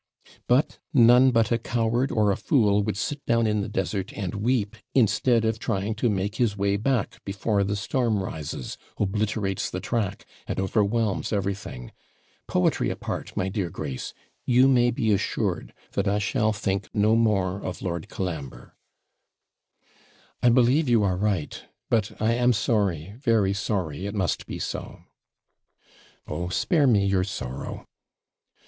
'But none but a coward, or a fool would sit down in the desert and weep, instead of trying to make his way back before the storm rises, obliterates the track, and overwhelms everything. Poetry apart, my dear Grace, you may be assured that I shall think no more of Lord Colambre.' 'I believe you are right. But I am sorry, very sorry, it must be so.' 'Oh, spare me your sorrow!'